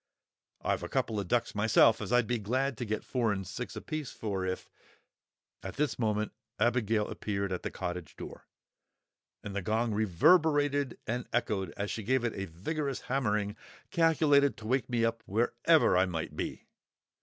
I've a couple of ducks myself as I'd be glad to get four and six apiece for if——" At this moment Abigail appeared at the cottage door, and the gong reverberated and echoed as she gave it a vigorous hammering, calculated to wake me up wherever I might be.